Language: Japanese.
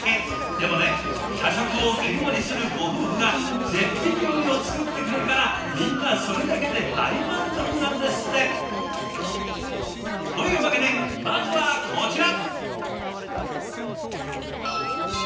でもね社食を切り盛りするご夫婦が絶品料理を作ってくれるからみんなそれだけで大満足なんですって！というわけでまずはこちら。